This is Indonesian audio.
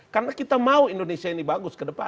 karena kita mau indonesia ini bagus ke depan